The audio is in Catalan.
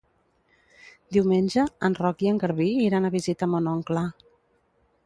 Diumenge en Roc i en Garbí iran a visitar mon oncle.